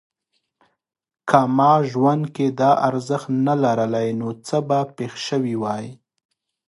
که ما ژوند کې دا ارزښت نه لرلای نو څه به پېښ شوي وای؟